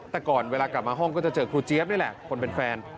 แต่ก่อนเวลากลับมาห้องก็จะเจอครูเจี๊ยบนี่แหละคนเป็นแฟน